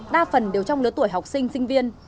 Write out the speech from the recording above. đa phần đều trong lứa tuổi học sinh sinh viên